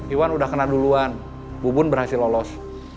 iwan udah kena duluan bubun berhasil lolos